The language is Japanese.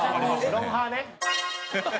『ロンハー』ね。